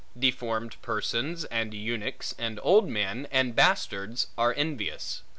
Deformed persons, and eunuchs, and old men, and bastards, are envious.